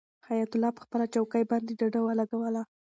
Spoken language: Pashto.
حیات الله په خپله چوکۍ باندې ډډه ولګوله.